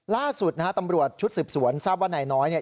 ล่าสุดนะฮะตำรวจชุดสืบสวนทราบว่านายน้อยเนี่ย